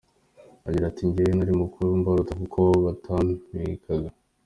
Agira ati “Njyewe nari mukuru mbaruta kuko batampekaga.